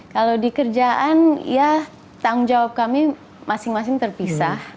kalau di kerjaan ya tanggung jawab kami masing masing terpisah